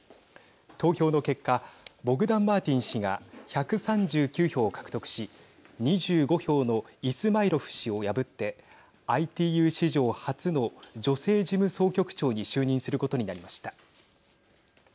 投票の結果ボグダンマーティン氏が１３９票を獲得し２５票のイスマイロフ氏を破ってＩＴＵ史上初の女性事務総局長に就任することになりました。